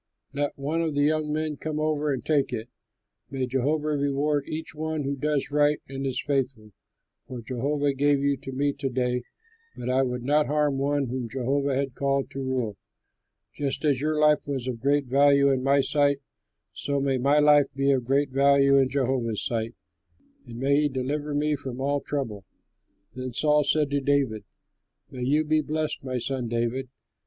Let one of the young men come over and take it. May Jehovah reward each one who does right and is faithful; for Jehovah gave you to me to day, but I would not harm one whom Jehovah had called to rule. Just as your life was of great value in my sight so may my life be of great value in Jehovah's sight, and may he deliver me from all trouble." Then Saul said to David, "May you be blessed, my son David!